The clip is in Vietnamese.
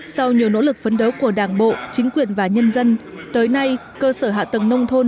sau nhiều nỗ lực phấn đấu của đảng bộ chính quyền và nhân dân tới nay cơ sở hạ tầng nông thôn